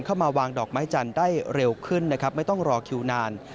เข้ามาวางดอกไม้จันทร์ได้เร็วขึ้นนะครับไม่ต้องรอคิวนาน